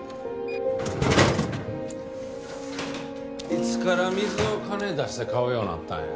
いつから水を金出して買うようなったんや。